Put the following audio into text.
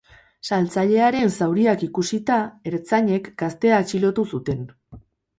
Salatzailearen zauriak ikusita ertzainek gaztea atxilotu zuten.